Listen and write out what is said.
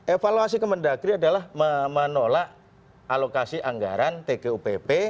evaluasi kemendagri adalah menolak alokasi anggaran tgupp